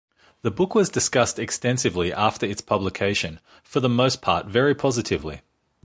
The book was discussed extensively after its publication, for the most part very positively.